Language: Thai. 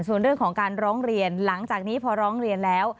ส่วนเรื่องของการร้องเรียนหลังจากนี้พอร้องเรียนแล้ว